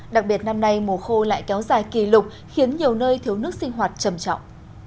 đặc biệt năm nay mùa khô lại kéo dài kỷ lục khiến nhiều nơi thiếu nước sinh hoạt trầm trọng